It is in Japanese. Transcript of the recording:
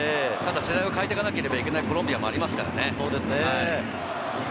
世代を代えていかなければいけないコロンビアでもありますからね。